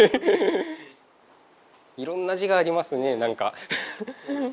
いろんな字がありますね何か。